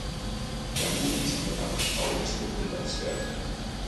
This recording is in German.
Der Mut dieser Männer und Frauen ist bewundernswert.